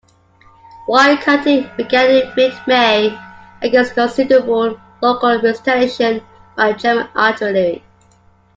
Wire-cutting began in mid-May, against considerable local retaliation by German artillery.